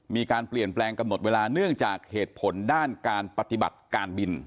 มีการเปลี่ยนแปลงกำหนดเวลาเนื่องจากเหตุผลด้านการปฏิบัติการบิน